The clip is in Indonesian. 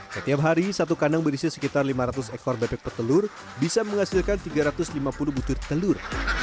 setiap hari satu kandang berisi sekitar lima ratus ekor bebek petelur bisa menghasilkan tiga ratus lima puluh butir telur